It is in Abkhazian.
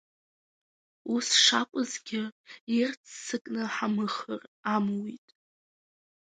Ус шакәызгьы ирццакны ҳамыхар амуит.